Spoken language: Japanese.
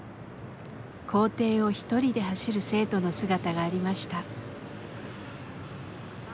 校庭を一人で走る生徒の姿がありました。